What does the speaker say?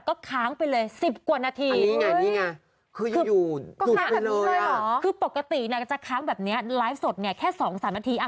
ก็ค้างไปเลย๑๐กว่านาที